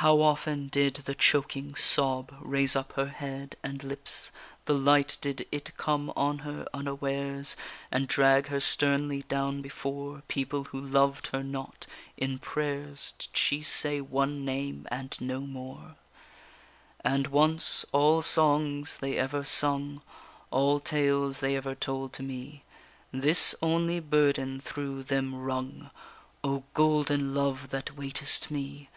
How often did the choking sob Raise up her head and lips? The light, Did it come on her unawares, And drag her sternly down before People who loved her not? in prayers Did she say one name and no more? And once, all songs they ever sung, All tales they ever told to me, This only burden through them rung: _O golden love that waitest me!